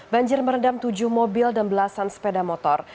banjir merendam tujuh mobil dan belasan sepeda motor